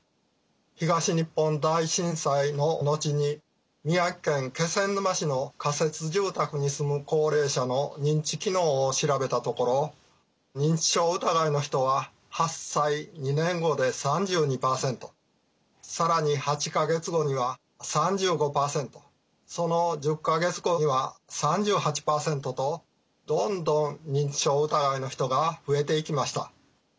東日本大震災の後に宮城県気仙沼市の仮設住宅に住む高齢者の認知機能を調べたところ認知症疑いの人は発災２年後で３２％更に８か月後には３５％その１０か月後には３８％とどんどん認知症疑いの人が増えていきました。